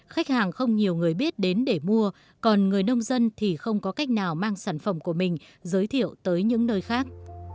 khách hàng không nhiều người biết đến để mua còn người nông dân thì không có cách nào mang sản phẩm của mình giới thiệu tới những nơi khác